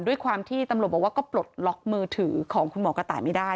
ด้วยความที่ตำรวจบอกว่าก็ปลดล็อกมือถือของคุณหมอกระต่ายไม่ได้